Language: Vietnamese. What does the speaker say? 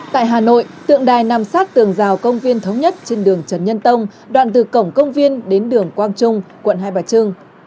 tại hà nội tượng đài nằm sát tường rào công viên thống nhất trên đường trần nhân tông đoạn từ cổng công viên đến đường quang trung quận hai bà trưng